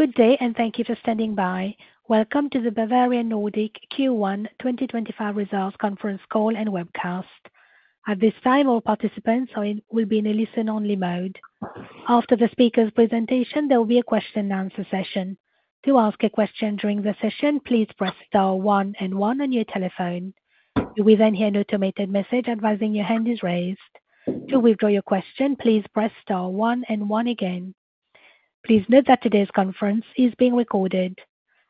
Good day, and thank you for standing by. Welcome to the Bavarian Nordic Q1 2025 results conference call and webcast. At this time, all participants will be in a listen-only mode. After the speaker's presentation, there will be a question-and-answer session. To ask a question during the session, please press star one and one on your telephone. You will then hear an automated message advising your hand is raised. To withdraw your question, please press star one and one again. Please note that today's conference is being recorded.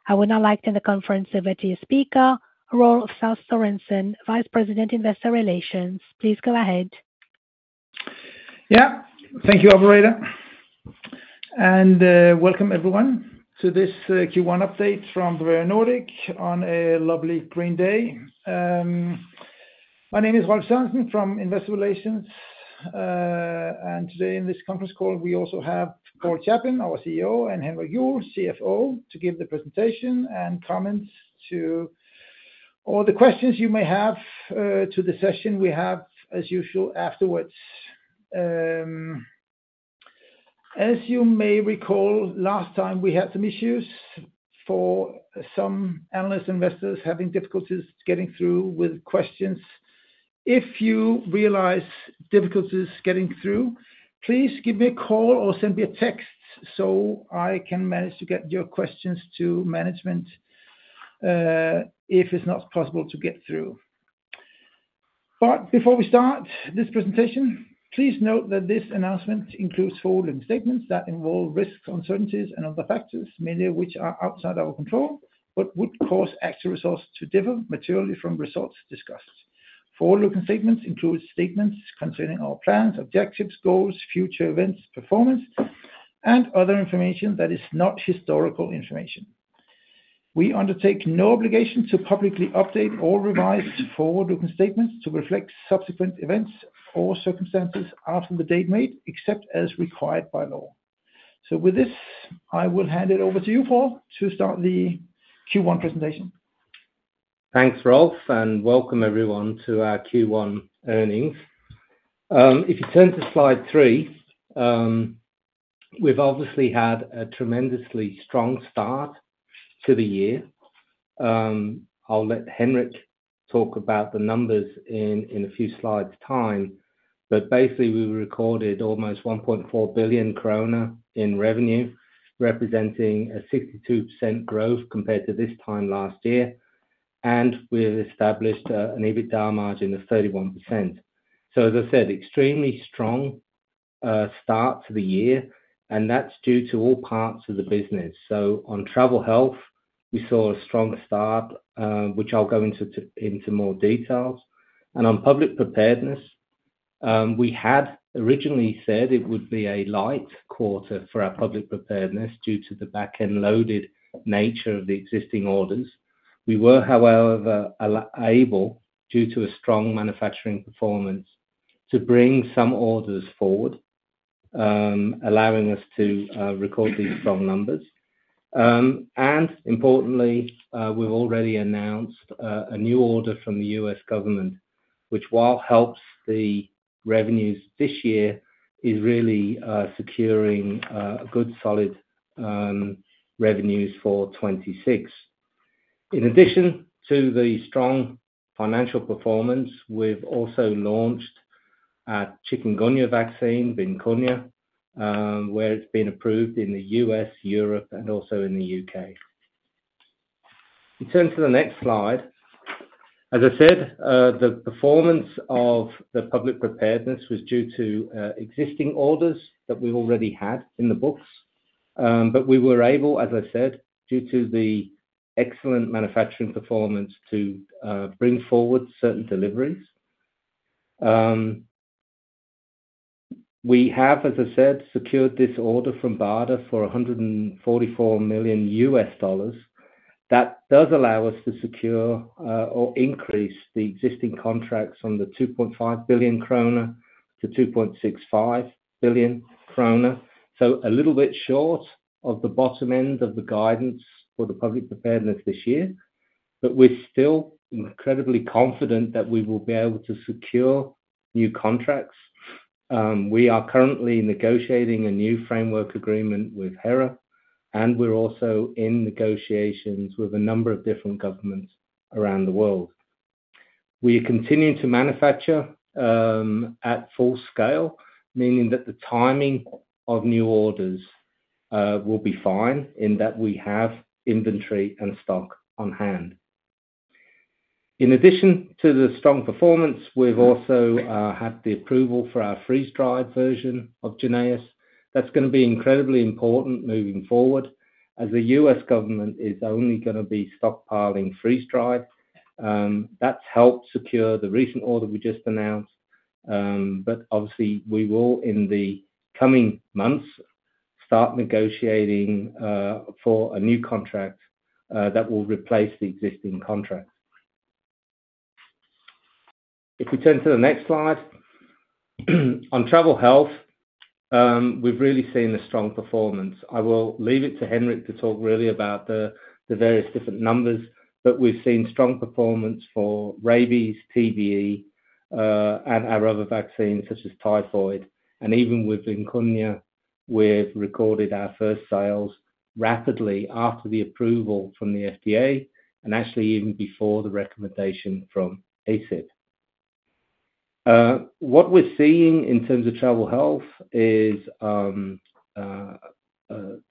I will now liken the conference over to your speaker, Rolf Sørensen, Vice President, Investor Relations. Please go ahead. Yeah. Thank you, Operator. And welcome, everyone, to this Q1 update from Bavarian Nordic on a lovely green day. My name is Rolf Sørensen from Investor Relations. Today, in this conference call, we also have Paul Chaplin, our CEO, and Henrik Juuel, CFO, to give the presentation and comments to all the questions you may have to the session we have, as usual, afterwards. As you may recall, last time, we had some issues for some analysts and investors having difficulties getting through with questions. If you realize difficulties getting through, please give me a call or send me a text so I can manage to get your questions to management if it's not possible to get through. Before we start this presentation, please note that this announcement includes forward-looking statements that involve risks, uncertainties, and other factors, many of which are outside our control but could cause actual results to differ materially from results discussed. Forward-looking statements include statements concerning our plans, objectives, goals, future events, performance, and other information that is not historical information. We undertake no obligation to publicly update or revise forward-looking statements to reflect subsequent events or circumstances after the date made, except as required by law. With this, I will hand it over to you, Paul, to start the Q1 presentation. Thanks, Rolf. Welcome, everyone, to our Q1 earnings. If you turn to slide three, we have obviously had a tremendously strong start to the year. I will let Henrik talk about the numbers in a few slides' time. Basically, we recorded almost 1.4 billion krone in revenue, representing a 62% growth compared to this time last year. We have established an EBITDA margin of 31%. Extremely strong start to the year. That is due to all parts of the business. On travel health, we saw a strong start, which I will go into more detail. On public preparedness, we had originally said it would be a light quarter for our public preparedness due to the back-end loaded nature of the existing orders. We were, however, able, due to a strong manufacturing performance, to bring some orders forward, allowing us to record these strong numbers. Importantly, we've already announced a new order from the U.S. government, which, while helps the revenues this year, is really securing good, solid revenues for 2026. In addition to the strong financial performance, we've also launched our chikungunya vaccine, Vimkunya, where it's been approved in the U.S., Europe, and also in the U.K. You turn to the next slide. As I said, the performance of the public preparedness was due to existing orders that we already had in the books. We were able, as I said, due to the excellent manufacturing performance, to bring forward certain deliveries. We have, as I said, secured this order from BARDA for $144 million. That does allow us to secure or increase the existing contracts from 2.5 billion kroner to 2.65 billion kroner. A little bit short of the bottom end of the guidance for the public preparedness this year. We are still incredibly confident that we will be able to secure new contracts. We are currently negotiating a new framework agreement with HERA. We are also in negotiations with a number of different governments around the world. We are continuing to manufacture at full scale, meaning that the timing of new orders will be fine in that we have inventory and stock on hand. In addition to the strong performance, we have also had the approval for our freeze-dried version of Jynneos. That is going to be incredibly important moving forward, as the U.S. government is only going to be stockpiling freeze-dried. That has helped secure the recent order we just announced. Obviously, we will, in the coming months, start negotiating for a new contract that will replace the existing contract. If we turn to the next slide, on travel health, we've really seen a strong performance. I will leave it to Henrik to talk really about the various different numbers. We've seen strong performance for rabies, TBE, and our other vaccines such as typhoid. Even with Vimkunya, we've recorded our first sales rapidly after the approval from the FDA and actually even before the recommendation from ACIP. What we're seeing in terms of travel health is the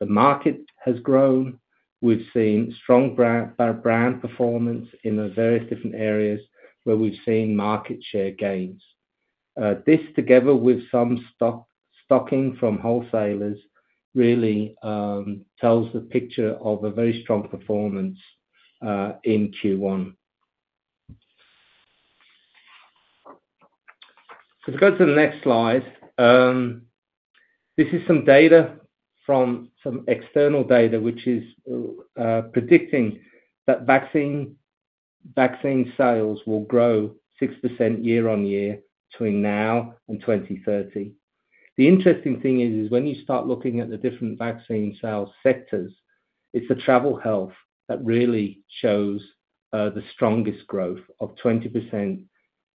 market has grown. We've seen strong brand performance in the various different areas where we've seen market share gains. This, together with some stocking from wholesalers, really tells the picture of a very strong performance in Q1. If we go to the next slide, this is some data from some external data, which is predicting that vaccine sales will grow 6% year on year between now and 2030. The interesting thing is, when you start looking at the different vaccine sales sectors, it's the travel health that really shows the strongest growth of 20%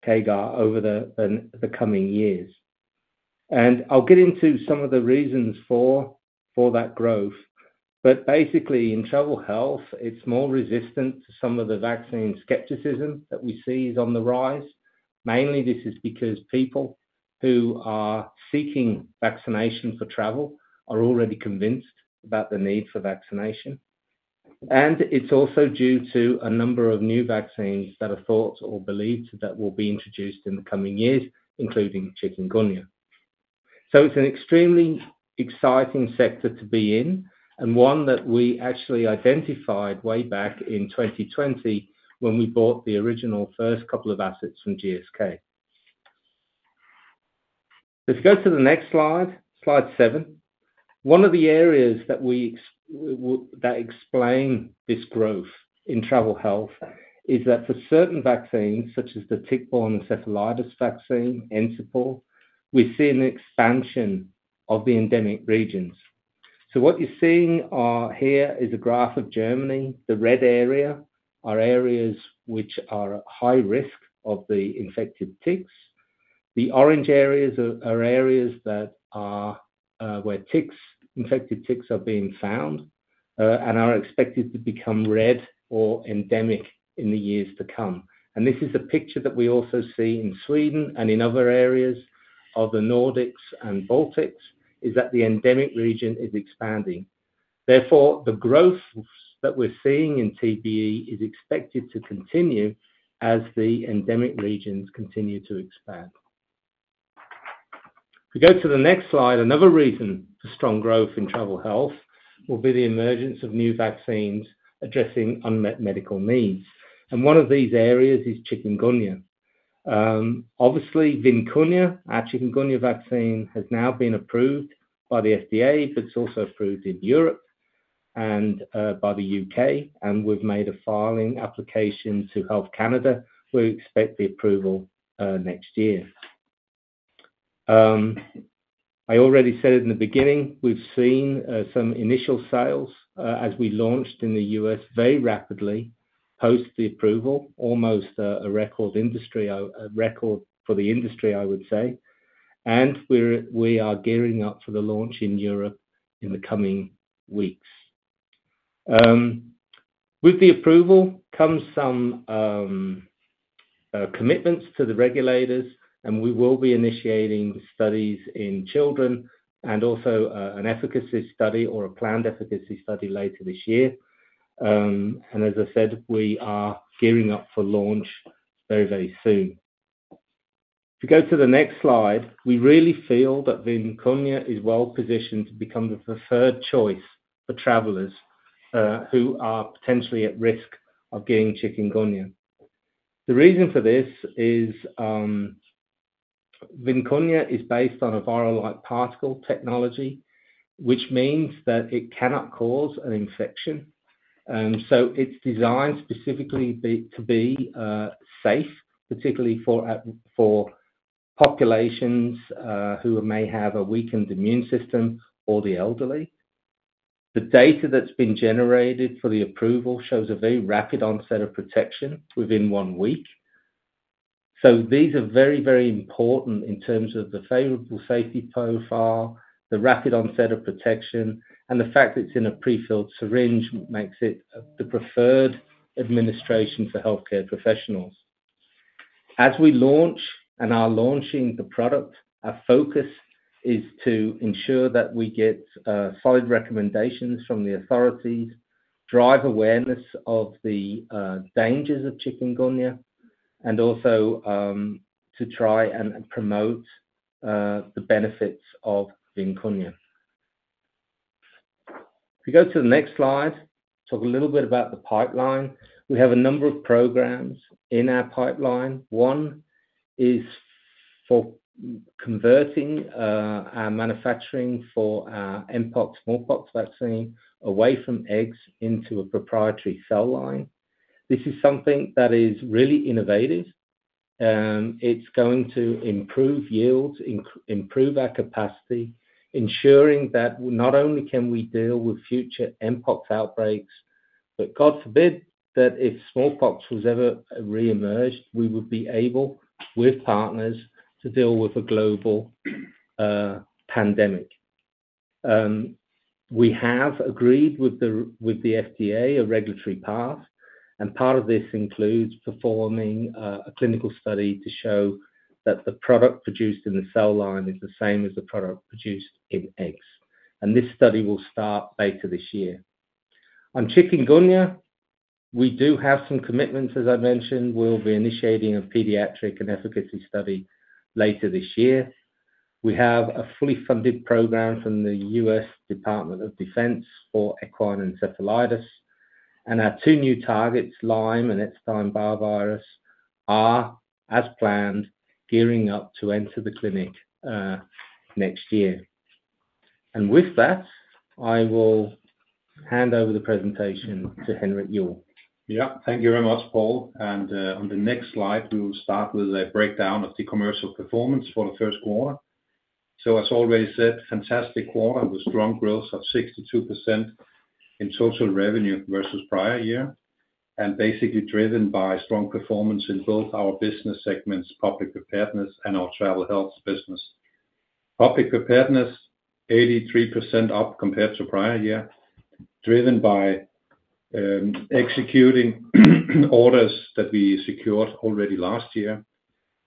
KGA over the coming years. I'll get into some of the reasons for that growth. Basically, in travel health, it's more resistant to some of the vaccine skepticism that we see is on the rise. Mainly, this is because people who are seeking vaccination for travel are already convinced about the need for vaccination. It's also due to a number of new vaccines that are thought or believed that will be introduced in the coming years, including chikungunya. It's an extremely exciting sector to be in and one that we actually identified way back in 2020 when we bought the original first couple of assets from GSK. If you go to the next slide, slide seven, one of the areas that explain this growth in travel health is that for certain vaccines, such as the tick-borne encephalitis vaccine, Encepur, we're seeing an expansion of the endemic regions. What you're seeing here is a graph of Germany. The red area are areas which are at high risk of the infected ticks. The orange areas are areas where infected ticks are being found and are expected to become red or endemic in the years to come. This is a picture that we also see in Sweden and in other areas of the Nordics and Baltics, that the endemic region is expanding. Therefore, the growth that we're seeing in TBE is expected to continue as the endemic regions continue to expand. If we go to the next slide, another reason for strong growth in travel health will be the emergence of new vaccines addressing unmet medical needs. One of these areas is chikungunya. Obviously, Vimkunya, our chikungunya vaccine, has now been approved by the FDA, but it's also approved in Europe and by the U.K. We've made a filing application to Health Canada. We expect the approval next year. I already said it in the beginning, we've seen some initial sales as we launched in the U.S. very rapidly post the approval, almost a record for the industry, I would say. We are gearing up for the launch in Europe in the coming weeks. With the approval comes some commitments to the regulators. We will be initiating studies in children and also an efficacy study or a planned efficacy study later this year. As I said, we are gearing up for launch very, very soon. If you go to the next slide, we really feel that Vimkunya is well positioned to become the preferred choice for travelers who are potentially at risk of getting chikungunya. The reason for this is Vimkunya is based on a virus-like particle technology, which means that it cannot cause an infection. It is designed specifically to be safe, particularly for populations who may have a weakened immune system or the elderly. The data that has been generated for the approval shows a very rapid onset of protection within one week. These are very, very important in terms of the favorable safety profile, the rapid onset of protection, and the fact that it is in a prefilled syringe makes it the preferred administration for healthcare professionals. As we launch and are launching the product, our focus is to ensure that we get solid recommendations from the authorities, drive awareness of the dangers of chikungunya, and also to try and promote the benefits of Vimkunya. If you go to the next slide, talk a little bit about the pipeline. We have a number of programs in our pipeline. One is for converting our manufacturing for our Mpox, Mpox vaccine away from eggs into a proprietary cell line. This is something that is really innovative. It is going to improve yields, improve our capacity, ensuring that not only can we deal with future Mpox outbreaks, but God forbid that if smallpox was ever re-emerged, we would be able, with partners, to deal with a global pandemic. We have agreed with the FDA a regulatory path. Part of this includes performing a clinical study to show that the product produced in the cell line is the same as the product produced in eggs. This study will start later this year. On chikungunya, we do have some commitments, as I mentioned. We'll be initiating a pediatric and efficacy study later this year. We have a fully funded program from the U.S. Department of Defense for equine encephalitis. Our two new targets, Lyme and Epstein-Barr virus, are, as planned, gearing up to enter the clinic next year. With that, I will hand over the presentation to Henrik Juuel. Yeah. Thank you very much, Paul. On the next slide, we will start with a breakdown of the commercial performance for the first quarter. As already said, fantastic quarter with strong growth of 62% in total revenue versus prior year, and basically driven by strong performance in both our business segments, public preparedness and our travel health business. Public preparedness, 83% up compared to prior year, driven by executing orders that we secured already last year.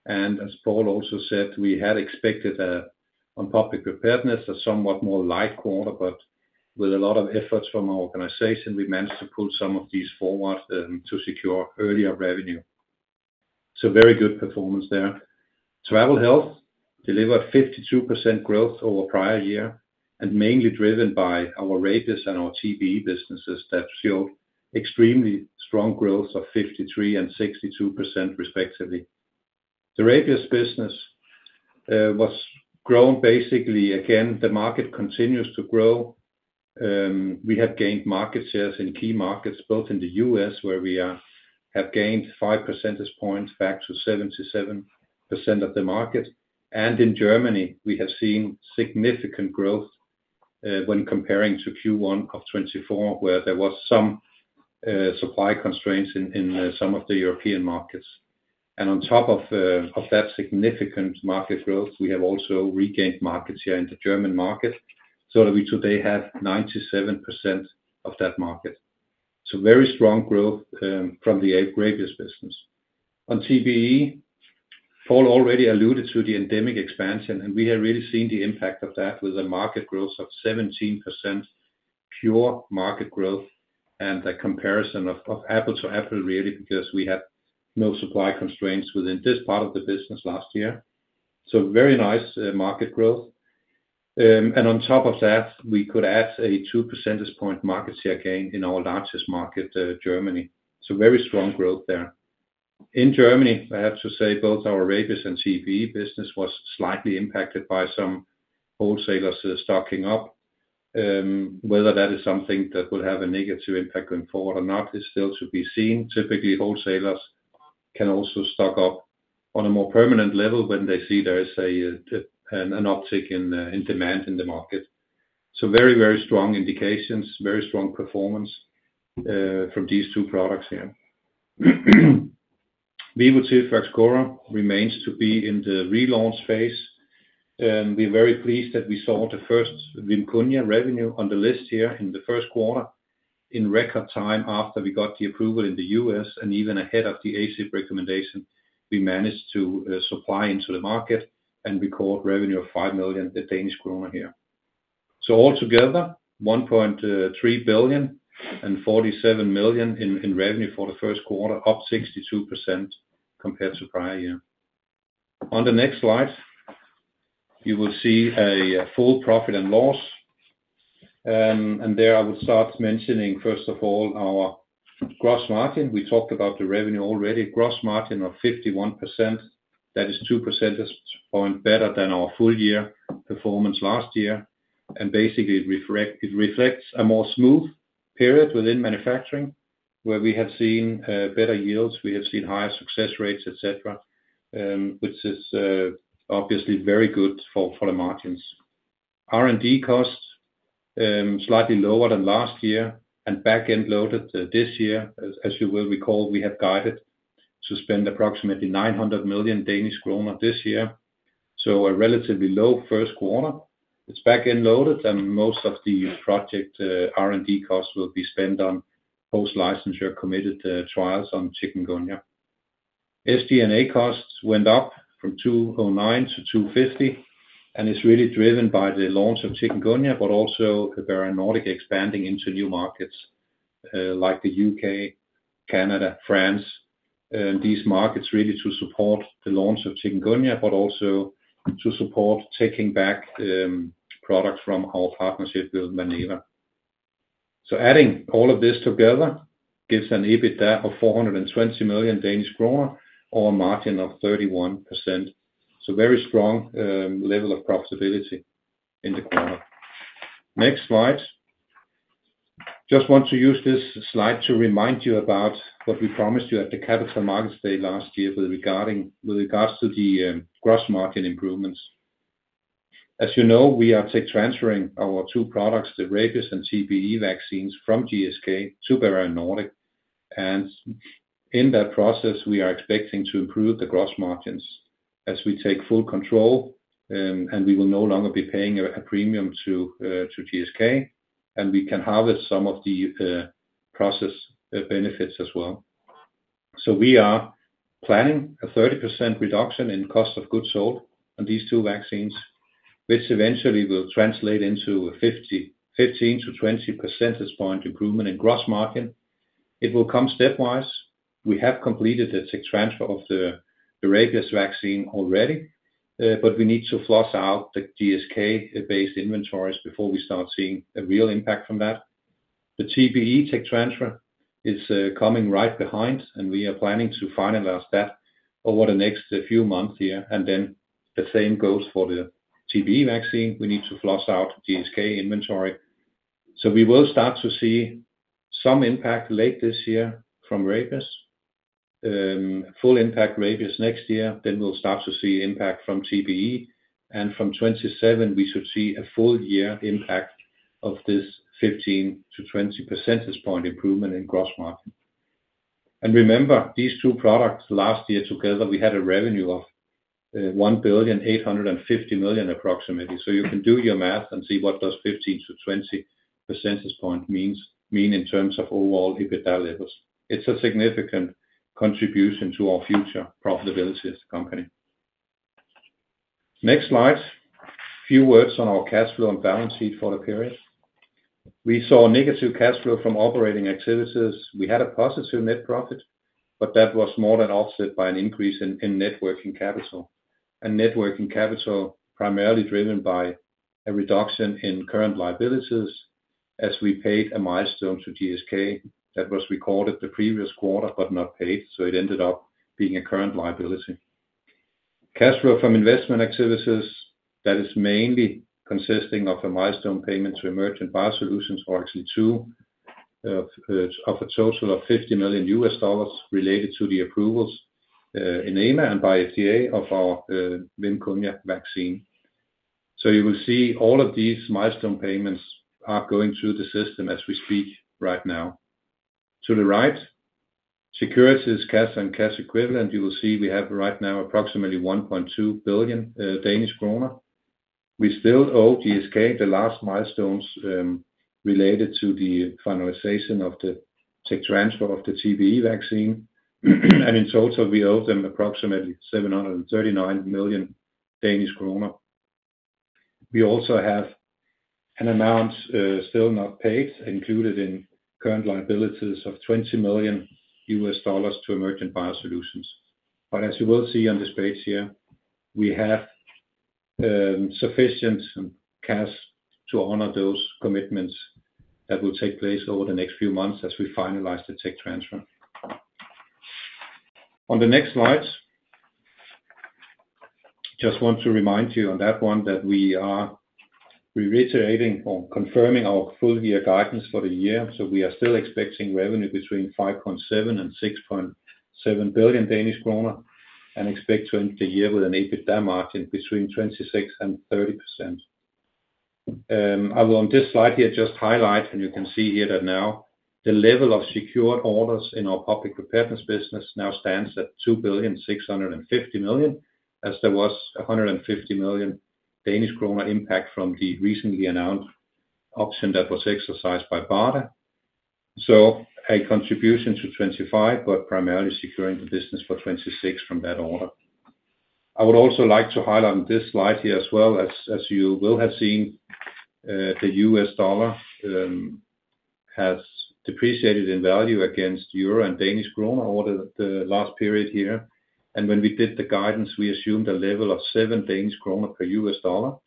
As Paul also said, we had expected on public preparedness a somewhat more light quarter. With a lot of efforts from our organization, we managed to pull some of these forward to secure earlier revenue. Very good performance there. Travel health delivered 52% growth over prior year, and mainly driven by our rabies and our TBE businesses that showed extremely strong growth of 53% and 62%, respectively. The rabies business was grown. Basically, again, the market continues to grow. We have gained market shares in key markets, both in the U.S., where we have gained five percentage points back to 77% of the market. In Germany, we have seen significant growth when comparing to Q1 of 2024, where there were some supply constraints in some of the European markets. On top of that significant market growth, we have also regained market share in the German market, so that we today have 97% of that market. Very strong growth from the rabies business. On TBE, Paul already alluded to the endemic expansion. We have really seen the impact of that with a market growth of 17%, pure market growth, and the comparison of apple to apple, really, because we had no supply constraints within this part of the business last year. Very nice market growth. On top of that, we could add a 2 percentage point market share gain in our largest market, Germany. Very strong growth there. In Germany, I have to say, both our rabies and TBE business was slightly impacted by some wholesalers stocking up. Whether that is something that will have a negative impact going forward or not is still to be seen. Typically, wholesalers can also stock up on a more permanent level when they see there is an uptick in demand in the market. Very, very strong indications, very strong performance from these two products here. Vivotif remains to be in the relaunch phase. We're very pleased that we saw the first Vimkunya revenue on the list here in the first quarter in record time after we got the approval in the U.S. and even ahead of the ACIP recommendation. We managed to supply into the market and record revenue of 5 million here. Altogether, 1.3 billion and 47 million in revenue for the first quarter, up 62% compared to prior year. On the next slide, you will see a full profit and loss. There I would start mentioning, first of all, our gross margin. We talked about the revenue already. Gross margin of 51%. That is 2 percentage points better than our full-year performance last year. Basically, it reflects a more smooth period within manufacturing, where we have seen better yields. We have seen higher success rates, etc., which is obviously very good for the margins. R&D costs slightly lower than last year and back-end loaded this year. As you will recall, we have guided to spend approximately 900 million Danish kroner this year. A relatively low first quarter. It's back-end loaded. Most of the project R&D costs will be spent on post-licensure committed trials on chikungunya. SG&A costs went up from 209 million to 250 million and is really driven by the launch of chikungunya, but also Bavarian Nordic expanding into new markets like the U.K., Canada, France. These markets really to support the launch of chikungunya, but also to support taking back products from our partnership with Valneva. Adding all of this together gives an EBITDA of 420 million Danish kroner or a margin of 31%. Very strong level of profitability in the quarter. Next slide. Just want to use this slide to remind you about what we promised you at the capital markets day last year with regards to the gross margin improvements. As you know, we are transferring our two products, the rabies and TBE vaccines, from GSK to Bavarian Nordic. In that process, we are expecting to improve the gross margins as we take full control, and we will no longer be paying a premium to GSK. We can harvest some of the process benefits as well. We are planning a 30% reduction in cost of goods sold on these two vaccines, which eventually will translate into a 15%-20% improvement in gross margin. It will come stepwise. We have completed the tech transfer of the rabies vaccine already, but we need to flush out the GSK-based inventories before we start seeing a real impact from that. The TBE tech transfer is coming right behind, and we are planning to finalize that over the next few months here. The same goes for the TBE vaccine. We need to floss out GSK inventory. We will start to see some impact late this year from rabies, full impact rabies next year. We will start to see impact from TBE. From 2027, we should see a full-year impact of this 15%-20% improvement in gross margin. Remember, these two products last year together, we had a revenue of 1,850,000,000 approximately. You can do your math and see what does 15%-20% mean in terms of overall EBITDA levels. It is a significant contribution to our future profitability as a company. Next slide. Few words on our cash flow and balance sheet for the period. We saw negative cash flow from operating activities. We had a positive net profit, but that was more than offset by an increase in net working capital. Net working capital primarily driven by a reduction in current liabilities as we paid a milestone to GSK that was recorded the previous quarter, but not paid. It ended up being a current liability. Cash flow from investment activities, that is mainly consisting of a milestone payment to Emergent BioSolutions, or actually two, of a total of $50 million related to the approvals in EMA and by FDA of our Vimkunya vaccine. You will see all of these milestone payments are going through the system as we speak right now. To the right, securities, cash, and cash equivalent, you will see we have right now approximately 1.2 billion Danish kroner. We still owe GSK the last milestones related to the finalization of the tech transfer of the TBE vaccine. In total, we owe them 739 million Danish kroner. We also have an amount still not paid included in current liabilities of $20 million to Emergent BioSolutions. As you will see on this page here, we have sufficient cash to honor those commitments that will take place over the next few months as we finalize the tech transfer. On the next slide, just want to remind you on that one that we are reiterating or confirming our full-year guidance for the year. We are still expecting revenue between 5.7 billion-6.7 billion Danish kroner and expect to end the year with an EBITDA margin between 26%-30%. I will, on this slide here, just highlight, and you can see here that now the level of secured orders in our public preparedness business now stands at 2.65 billion, as there was a 150 million Danish krone impact from the recently announced option that was exercised by BARDA. So a contribution to 2025, but primarily securing the business for 2026 from that order. I would also like to highlight on this slide here as well, as you will have seen, the U.S. dollar has depreciated in value against euro and Danish kroner over the last period here. When we did the guidance, we assumed a level of 7 Danish krone per $1.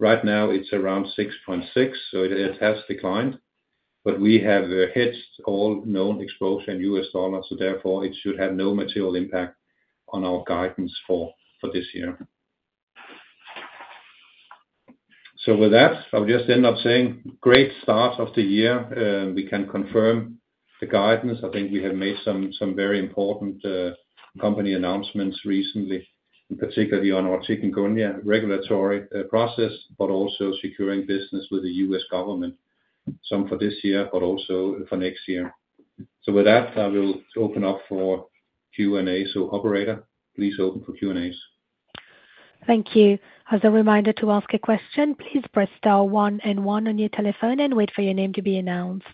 Right now, it's around 6.6. It has declined. We have hedged all known exposure in U.S. dollars. Therefore, it should have no material impact on our guidance for this year. With that, I'll just end up saying great start of the year. We can confirm the guidance. I think we have made some very important company announcements recently, particularly on our chikungunya regulatory process, but also securing business with the U.S. government, some for this year, but also for next year. With that, I will open up for Q&A. Operator, please open for Q&As. Thank you. As a reminder to ask a question, please press star one and one on your telephone and wait for your name to be announced.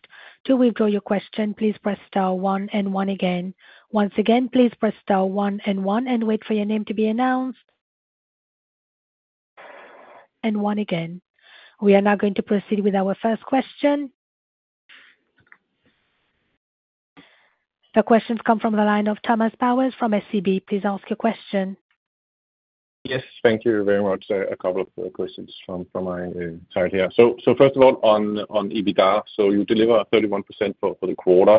To withdraw your question, please press star one and one again. Once again, please press star one and one and wait for your name to be announced. We are now going to proceed with our first question. The questions come from the line of Thomas Bowers from SEB. Please ask your question. Yes. Thank you very much. A couple of questions from my side here. First of all, on EBITDA, you deliver 31% for the quarter.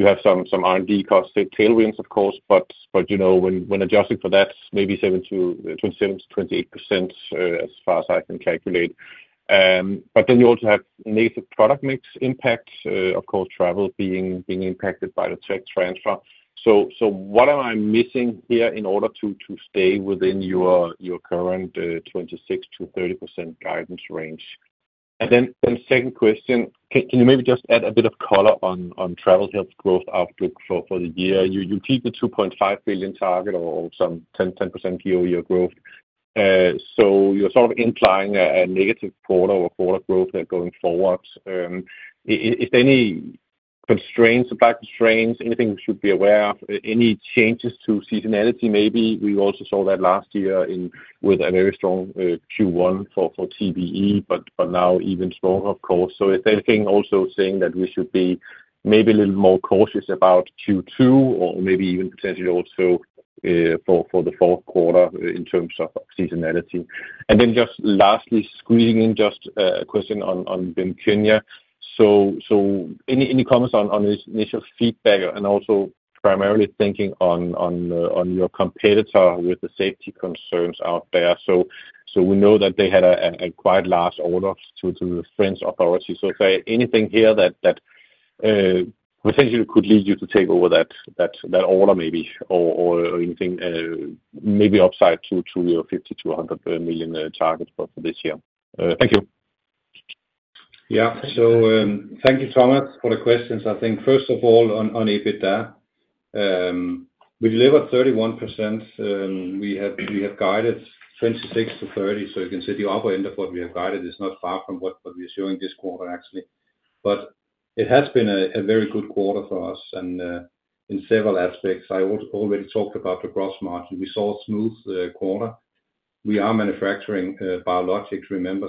You have some R&D costs, tailwinds, of course. When adjusting for that, maybe 27%-28%, as far as I can calculate. You also have negative product mix impact, of course, travel being impacted by the tech transfer. What am I missing here in order to stay within your current 26%-30% guidance range? Second question, can you maybe just add a bit of color on travel health growth outlook for the year? You keep the 2.5 billion target or some 10% year-over-year growth. You are sort of implying a negative quarter-over-quarter growth going forward. Is there any constraints, supply constraints, anything we should be aware of? Any changes to seasonality? Maybe we also saw that last year with a very strong Q1 for TBE, but now even stronger, of course. Is there anything also saying that we should be maybe a little more cautious about Q2 or maybe even potentially also for the fourth quarter in terms of seasonality? Lastly, squeezing in just a question on Vimkunya. Any comments on initial feedback and also primarily thinking on your competitor with the safety concerns out there? We know that they had a quite large order to the French authority. Is there anything here that potentially could lead you to take over that order maybe or anything maybe upside to your 50-100 million target for this year? Thank you. Yeah. Thank you, Thomas, for the questions. I think, first of all, on EBITDA, we delivered 31%. We have guided 26-30%. You can see the upper end of what we have guided is not far from what we are showing this quarter, actually. It has been a very good quarter for us in several aspects. I already talked about the gross margin. We saw a smooth quarter. We are manufacturing biologics, remember.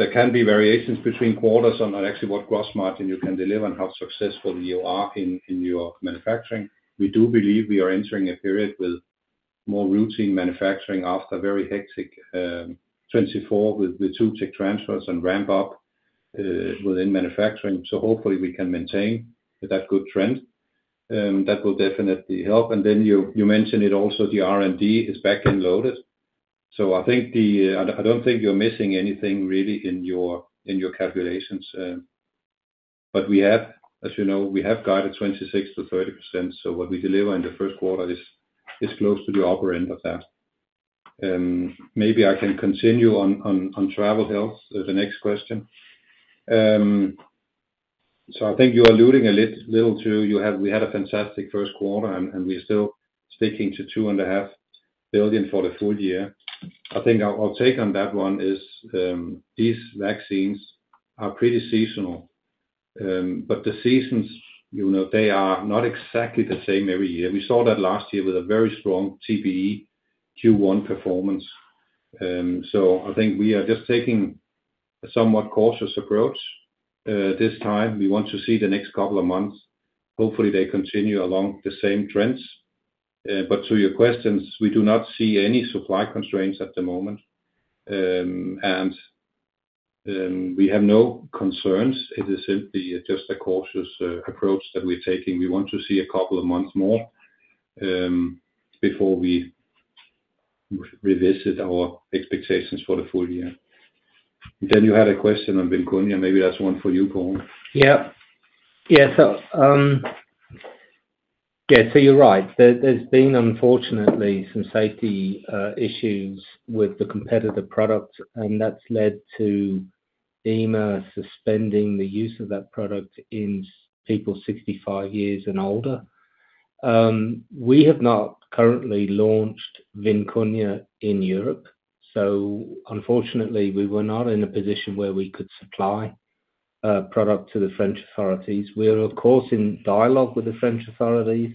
There can be variations between quarters on actually what gross margin you can deliver and how successful you are in your manufacturing. We do believe we are entering a period with more routine manufacturing after a very hectic 2024 with two tech transfers and ramp-up within manufacturing. Hopefully, we can maintain that good trend. That will definitely help. You mentioned it also, the R&D is back-end loaded. I don't think you're missing anything really in your calculations. As you know, we have guided 26%-30%. What we deliver in the first quarter is close to the upper end of that. Maybe I can continue on travel health, the next question. I think you're alluding a little to we had a fantastic first quarter, and we're still sticking to 2.5 billion for the full year. I think our take on that one is these vaccines are pretty seasonal. The seasons are not exactly the same every year. We saw that last year with a very strong TBE Q1 performance. I think we are just taking a somewhat cautious approach this time. We want to see the next couple of months. Hopefully, they continue along the same trends. To your questions, we do not see any supply constraints at the moment. We have no concerns. It is simply just a cautious approach that we're taking. We want to see a couple of months more before we revisit our expectations for the full year. You had a question on Vimkunya. Maybe that's one for you, Paul. Yeah. Yeah. So you're right. There's been, unfortunately, some safety issues with the competitor product, and that's led to EMA suspending the use of that product in people 65 years and older. We have not currently launched Vimkunya in Europe. So unfortunately, we were not in a position where we could supply product to the French authorities. We are, of course, in dialogue with the French authorities.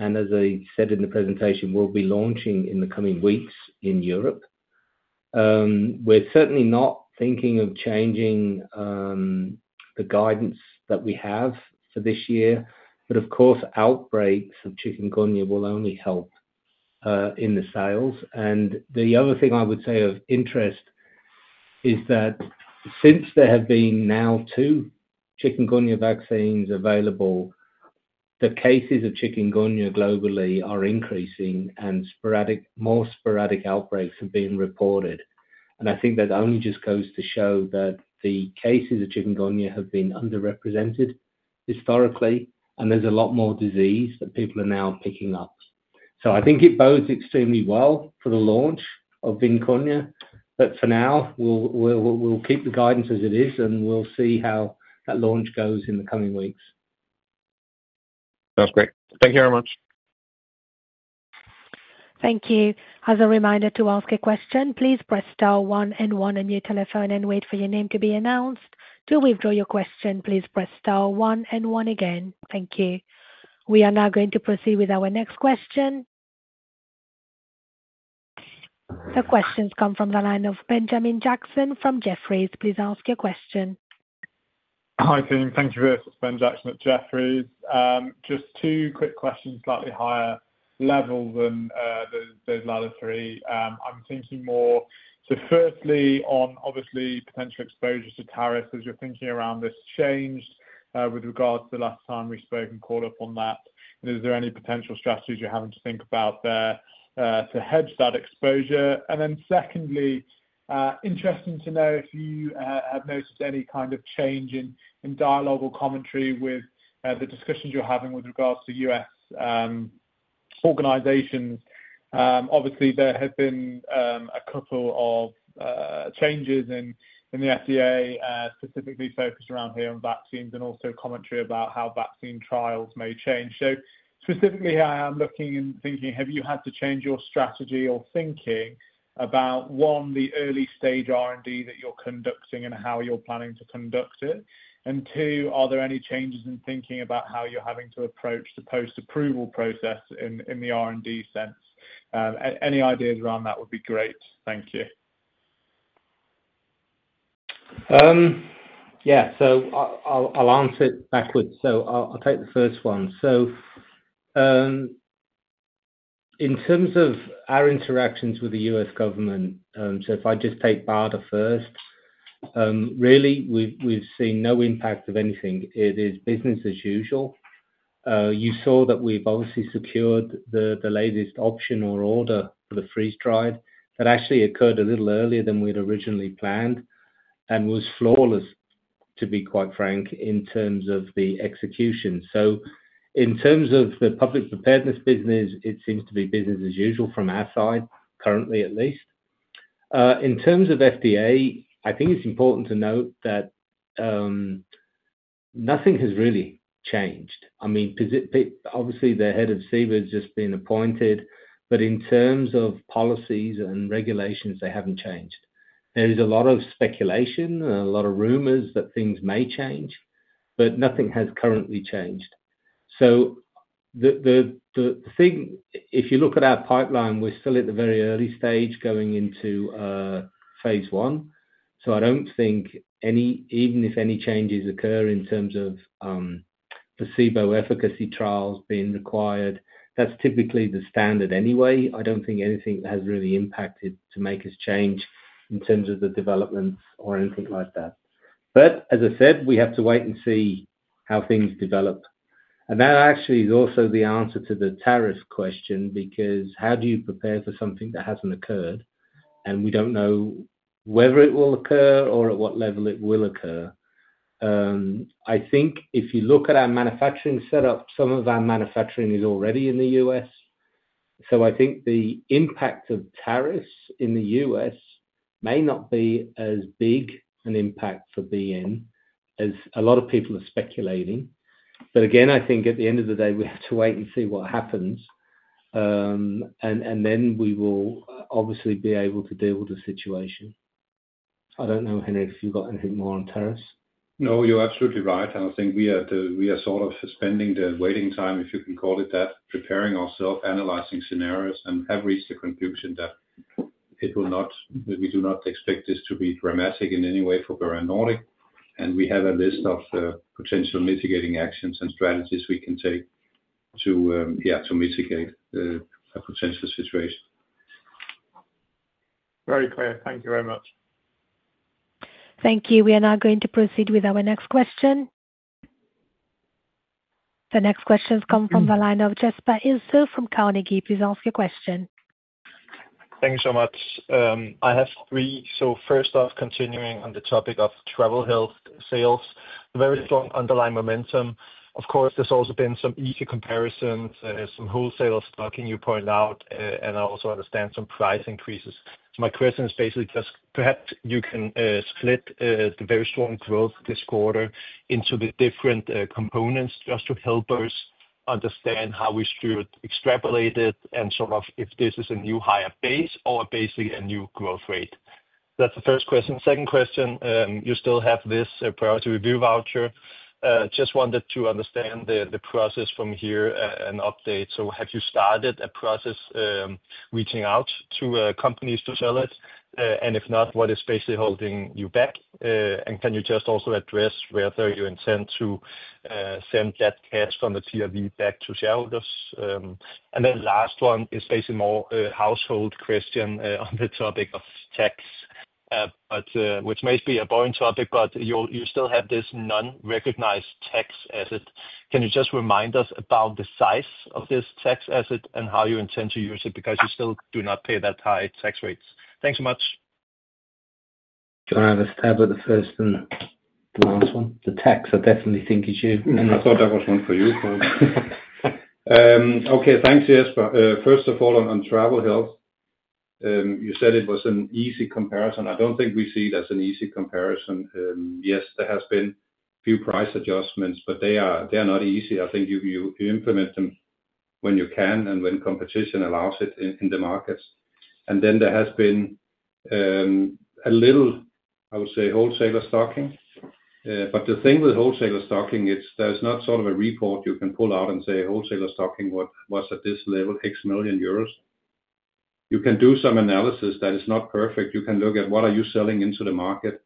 As I said in the presentation, we'll be launching in the coming weeks in Europe. We're certainly not thinking of changing the guidance that we have for this year. Of course, outbreaks of chikungunya will only help in the sales. The other thing I would say of interest is that since there have been now two chikungunya vaccines available, the cases of chikungunya globally are increasing, and more sporadic outbreaks have been reported. I think that only just goes to show that the cases of chikungunya have been underrepresented historically, and there's a lot more disease that people are now picking up. I think it bodes extremely well for the launch of Vimkunya. For now, we'll keep the guidance as it is, and we'll see how that launch goes in the coming weeks. Sounds great. Thank you very much. Thank you. As a reminder to ask a question, please press star one and one on your telephone and wait for your name to be announced. To withdraw your question, please press star one and one again. Thank you. We are now going to proceed with our next question. The questions come from the line of Benjamin Jackson from Jefferies. Please ask your question. Hi, team. Thank you for this. It's Ben Jackson at Jefferies. Just two quick questions, slightly higher level than those latter three. I'm thinking more to, firstly, on obviously potential exposures to tariffs as you're thinking around this change with regards to the last time we spoke and caught up on that. Is there any potential strategies you're having to think about there to hedge that exposure? Secondly, interesting to know if you have noticed any kind of change in dialogue or commentary with the discussions you're having with regards to U.S. organizations. Obviously, there have been a couple of changes in the FDA, specifically focused around here on vaccines and also commentary about how vaccine trials may change. Specifically, I am looking and thinking, have you had to change your strategy or thinking about, one, the early-stage R&D that you're conducting and how you're planning to conduct it? Two, are there any changes in thinking about how you're having to approach the post-approval process in the R&D sense? Any ideas around that would be great. Thank you. Yeah. I'll answer it backwards. I'll take the first one. In terms of our interactions with the U.S. government, if I just take BARDA first, really, we've seen no impact of anything. It is business as usual. You saw that we've obviously secured the latest option or order for the freeze-dried that actually occurred a little earlier than we had originally planned and was flawless, to be quite frank, in terms of the execution. In terms of the public preparedness business, it seems to be business as usual from our side, currently at least. In terms of FDA, I think it's important to note that nothing has really changed. I mean, obviously, the head of SEB has just been appointed, but in terms of policies and regulations, they haven't changed. There is a lot of speculation and a lot of rumors that things may change, but nothing has currently changed. The thing, if you look at our pipeline, we're still at the very early stage going into phase I. I don't think any, even if any changes occur in terms of the SEB efficacy trials being required, that's typically the standard anyway. I don't think anything has really impacted to make us change in terms of the developments or anything like that. As I said, we have to wait and see how things develop. That actually is also the answer to the tariff question because how do you prepare for something that hasn't occurred? We don't know whether it will occur or at what level it will occur. I think if you look at our manufacturing setup, some of our manufacturing is already in the U.S. I think the impact of tariffs in the U.S. may not be as big an impact for BN as a lot of people are speculating. I think at the end of the day, we have to wait and see what happens. We will obviously be able to deal with the situation. I don't know, Henrik, if you've got anything more on tariffs. No, you're absolutely right. I think we are sort of suspending the waiting time, if you can call it that, preparing ourselves, analyzing scenarios, and have reached the conclusion that we do not expect this to be dramatic in any way for Bavarian Nordic. We have a list of potential mitigating actions and strategies we can take to mitigate a potential situation. Very clear. Thank you very much. Thank you. We are now going to proceed with our next question. The next questions come from the line of Jesper Ilsøe from Carnegie. Please ask your question. Thank you so much. I have three. First off, continuing on the topic of travel health sales, very strong underlying momentum. Of course, there have also been some easy comparisons, some wholesale stocking you pointed out, and I also understand some price increases. My question is basically just perhaps you can split the very strong growth this quarter into the different components just to help us understand how we should extrapolate it and sort of if this is a new higher base or basically a new growth rate. That is the first question. Second question, you still have this Priority Review Voucher. Just wanted to understand the process from here and update. Have you started a process reaching out to companies to sell it? If not, what is basically holding you back? Can you just also address whether you intend to send that cash from the TRV back to shareholders? The last one is basically more a household question on the topic of tax, which may be a boring topic, but you still have this non-recognized tax asset. Can you just remind us about the size of this tax asset and how you intend to use it because you still do not pay that high tax rates? Thanks so much. Can I just tackle the first and the last one? The tax, I definitely think is you. I thought that was one for you, Paul. Okay. Thanks, Jesper. First of all, on travel health, you said it was an easy comparison. I do not think we see it as an easy comparison. Yes, there have been a few price adjustments, but they are not easy. I think you implement them when you can and when competition allows it in the markets. There has been a little, I would say, wholesaler stocking. The thing with wholesaler stocking, there is not sort of a report you can pull out and say, "Wholesaler stocking was at this level, X million Euros." You can do some analysis that is not perfect. You can look at what you are selling into the market,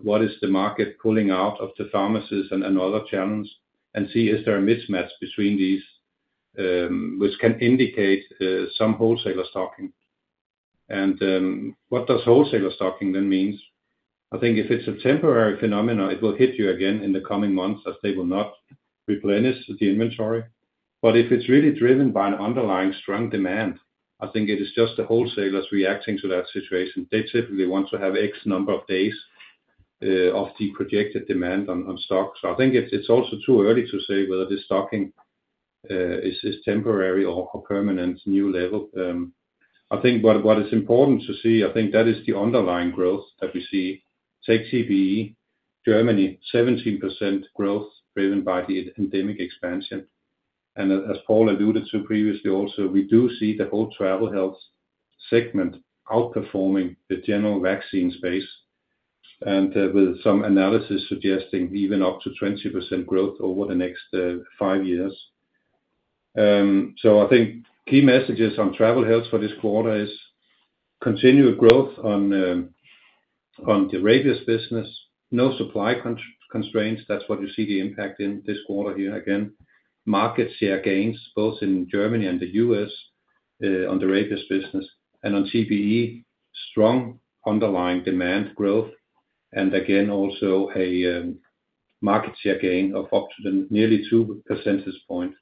what the market is pulling out of the pharmacies and other channels, and see, is there a mismatch between these, which can indicate some wholesaler stocking? What does wholesaler stocking then mean? I think if it's a temporary phenomenon, it will hit you again in the coming months as they will not replenish the inventory. If it's really driven by an underlying strong demand, I think it is just the wholesalers reacting to that situation. They typically want to have X number of days of the projected demand on stock. I think it's also too early to say whether this stocking is temporary or permanent, new level. I think what is important to see, I think that is the underlying growth that we see. Take TBE, Germany, 17% growth driven by the endemic expansion. As Paul alluded to previously also, we do see the whole travel health segment outperforming the general vaccine space and with some analysis suggesting even up to 20% growth over the next five years. I think key messages on travel health for this quarter is continued growth on the rabies business, no supply constraints. That's what you see the impact in this quarter here again. Market share gains, both in Germany and the U.S., on the rabies business. On TBE, strong underlying demand growth. Again, also a market share gain of up to nearly two percentage points.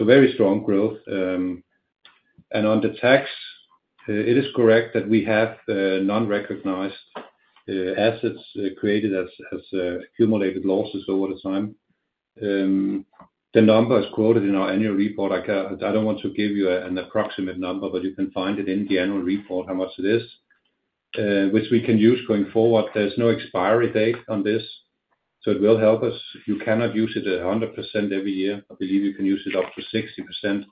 Very strong growth. On the tax, it is correct that we have non-recognized assets created as accumulated losses over time. The number is quoted in our annual report. I don't want to give you an approximate number, but you can find it in the annual report how much it is, which we can use going forward. There's no expiry date on this, so it will help us. You cannot use it at 100% every year. I believe you can use it up to 60%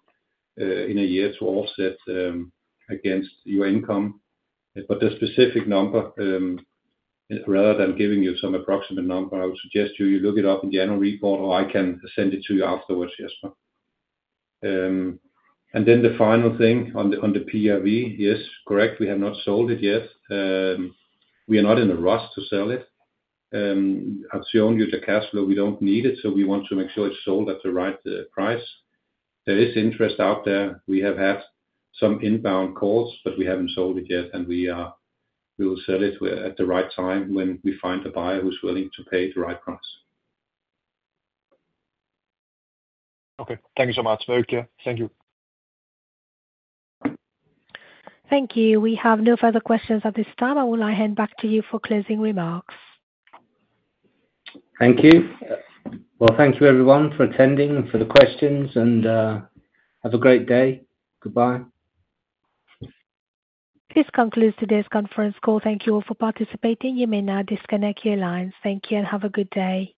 in a year to offset against your income. The specific number, rather than giving you some approximate number, I would suggest you look it up in the annual report, or I can send it to you afterwards, Jesper. The final thing on the PRV, yes, correct. We have not sold it yet. We are not in a rush to sell it. I have shown you the cash flow. We do not need it, so we want to make sure it is sold at the right price. There is interest out there. We have had some inbound calls, but we have not sold it yet, and we will sell it at the right time when we find a buyer who is willing to pay the right price. Okay. Thank you so much. Very clear. Thank you. Thank you. We have no further questions at this time. I will now hand back to you for closing remarks. Thank you. Thank you, everyone, for attending and for the questions, and have a great day. Goodbye. This concludes today's conference call. Thank you all for participating. You may now disconnect your lines. Thank you and have a good day.